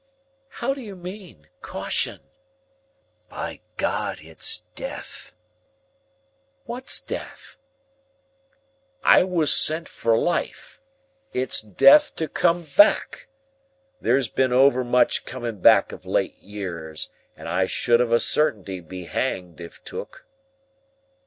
"How do you mean? Caution?" "By G——, it's Death!" "What's death?" "I was sent for life. It's death to come back. There's been overmuch coming back of late years, and I should of a certainty be hanged if took."